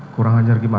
kurang ajar gimana